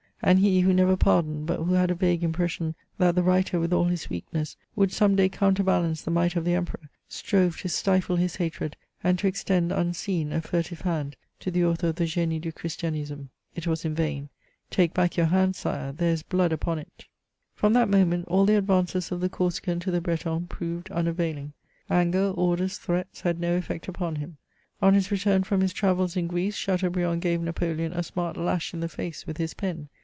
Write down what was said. And he, who never pardoned, but who had a vague impression that the writer, with all his weakness, would some day counterbalance the might of the Emperor, strove to stifle his hatred, and to extend, unseen, a furtive hand to the author of the GMe du Ckristianisme, It was in vain. *' Take back your hand, Sire, there is blood upon it." From that moment, all the advances of the Corsican to the Breton proved unavaiHi^. Anger, orders, threats, had no effect upon him. On his return from his travels in Greece, Chateaubriand gave Napoleon a smart lash in the face with his pen.